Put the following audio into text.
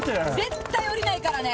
絶対降りないからね！